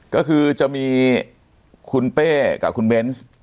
ก็คือจะมีคุณเป้กับคุณเบนส์